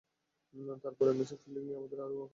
তবে পরের ম্যাচে ফিল্ডিং নিয়ে আমাদের আরও অনেক কাজ করতে হবে।